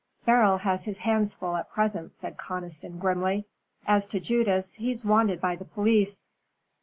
"Beryl has his hands full at present," said Conniston, grimly. "As to Judas, he's wanted by the police."